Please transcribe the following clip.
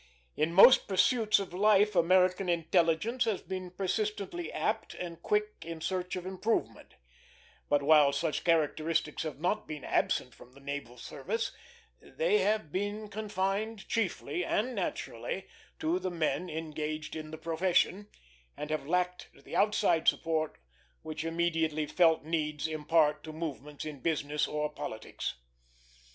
In most pursuits of life American intelligence has been persistently apt and quick in search of improvement; but, while such characteristics have not been absent from the naval service, they have been confined chiefly, and naturally, to the men engaged in the profession, and have lacked the outside support which immediate felt needs impart to movements in business or politics.